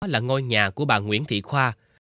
là ngôi nhà của bà nguyễn thị khoa